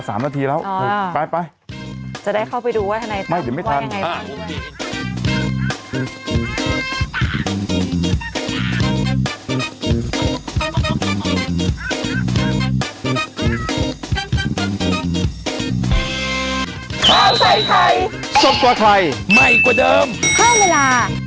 ข้าวไทยไทยสดกว่าไทยใหม่กว่าเดิมข้าวเวลา